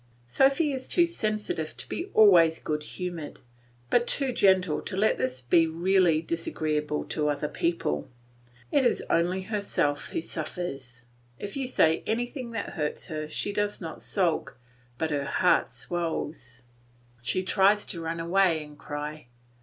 Sophy is too sensitive to be always good humoured, but too gentle to let this be really disagreeable to other people; it is only herself who suffers. If you say anything that hurts her she does not sulk, but her heart swells; she tries to run away and cry.